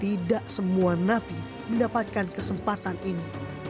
tidak semua napi mendapatkan kesempatan ini